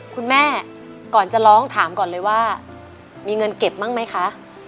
คุณแม่ก่อนจะร้องถามก่อนเลยว่ามีเงินเก็บบ้างไหมคะ